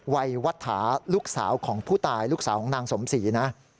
วัยวัตถาลูกสาวของผู้ตายลูกสาวของนางสมศรีนะ